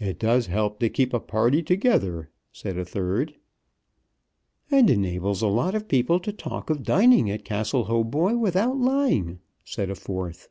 "It does help to keep a party together," said a third. "And enables a lot of people to talk of dining at Castle Hautboy without lying," said a fourth.